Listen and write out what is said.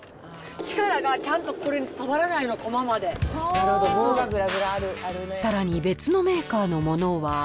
力がちゃんとこれに伝わらないの、さらに別のメーカーのものは。